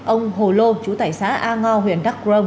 ông hồ lô chú tải xã a